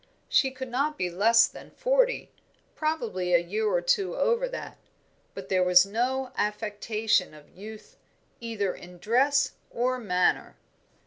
She could not be less than forty, probably a year or two over that, but there was no affectation of youth, either in dress or manner.